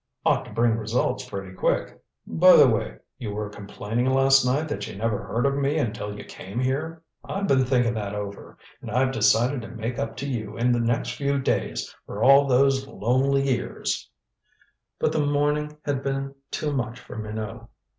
Ought to bring results pretty quick. By the way, you were complaining last night that you never heard of me until you came here. I've been thinking that over, and I've decided to make up to you in the next few days for all those lonely years " But the morning had been too much for Minot.